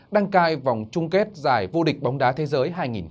đăng cai vòng chung kết giải vũ địch bóng đá thế giới hai nghìn một mươi tám